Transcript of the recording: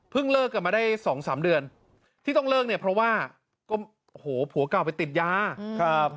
เพิ่งเลิกก็มาได้๒๓เดือนที่ต้องเลิกเนี่ยเพราะว่าผัวเก่าไปติดยา